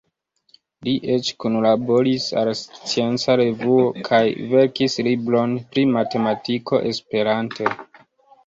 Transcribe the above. Li eĉ kunlaboris al Scienca Revuo kaj verkis libron pri matematiko esperante.